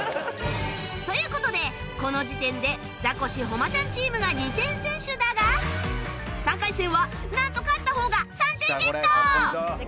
という事でこの時点でザコシ・誉ちゃんチームが２点先取だが３回戦はなんと勝った方が３点ゲット！